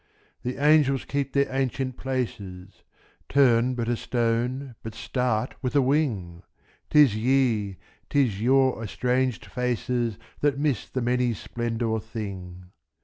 The angels keep their ancient places; Turn but a stone, but start a wing! âTis ye, âtis your estranged faces, That miss the many splendoured thing.